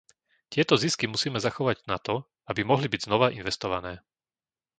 Tieto zisky musíme zachovať na to, aby mohli byť znova investované.